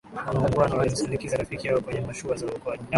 waungwana walimsindikiza rafiki yao kwenye mashua za uokoaji